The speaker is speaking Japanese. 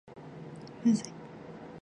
無罪